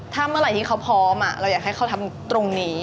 ถ้าเมื่อไหร่ที่เขาพร้อมเราอยากให้เขาทำตรงนี้